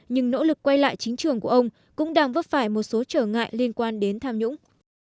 nhưng nỗ lực quay lại chính trường của ông cũng đang vấp phải một số trở ngại liên quan đến tham nhũng